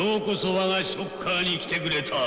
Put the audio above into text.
我がショッカーに来てくれた。